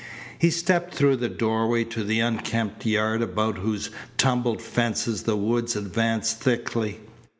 He stepped through the doorway to the unkempt yard about whose tumbled fences the woods advanced thickly.